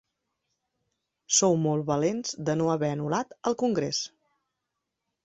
Sou molt valents de no haver anul·lat el congrés.